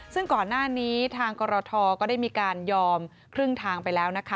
ซึ่งก่อนหน้านี้ทางกรทก็ได้มีการยอมครึ่งทางไปแล้วนะคะ